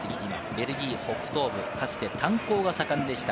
ベルギー北東部、かつて炭鉱が盛んでした。